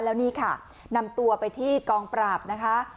แล้วนี่ค่ะนำตัวไปที่กองปราบนะคะ